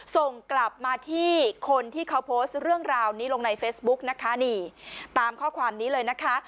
ส่งกลับมาที่คนที่เขาโพสต์เรื่องราวนี้ลงในเฟซบุ๊กนะคะนี่ตามข้อความนี้เลยนะคะ